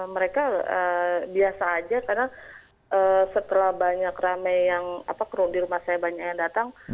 mereka biasa aja karena setelah banyak rame yang apa kru di rumah saya banyak yang datang